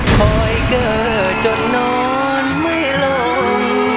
คอยเกิดจนนอนไม่หลง